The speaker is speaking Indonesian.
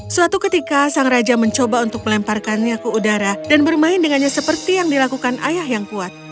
suatu ketika sang raja mencoba untuk melemparkannya ke udara dan bermain dengannya seperti yang dilakukan ayah yang kuat